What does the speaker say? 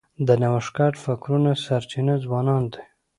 د نوښتګر فکرونو سرچینه ځوانان دي.